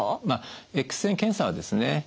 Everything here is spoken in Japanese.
まあＸ線検査はですね